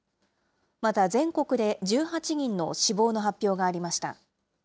また全国で１８人の死亡の発表がありました。